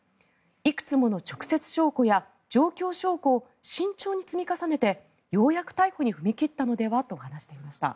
いくつもの直接証拠や状況証拠を慎重に積み重ねてようやく逮捕に踏み切ったのではと話していました。